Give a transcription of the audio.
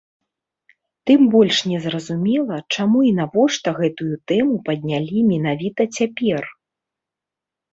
Тым больш не зразумела, чаму і навошта гэтую тэму паднялі менавіта цяпер?